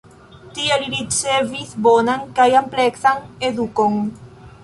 Tie li ricevis bonan kaj ampleksan edukon.